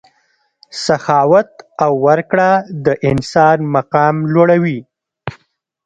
سخاوت او ورکړه د انسان مقام لوړوي.